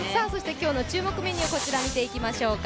今日の注目メニュー、こちら見ていきましょうか。